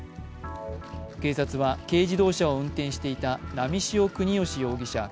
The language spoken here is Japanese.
警察は、軽乗用車を運転していた波汐國芳容疑者